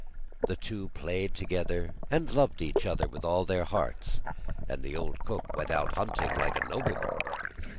The two played together, and loved each other with all their hearts, and the old cook went out hunting like a nobleman.